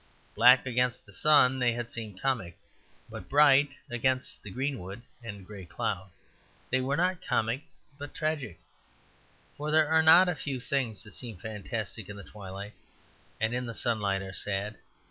Black against the sun, they had seemed comic; but bright against greenwood and grey cloud, they were not comic but tragic; for there are not a few things that seem fantastic in the twilight, and in the sunlight are sad.